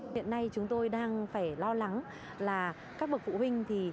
hiện nay chúng tôi đang phải lo lắng là các bậc phụ huynh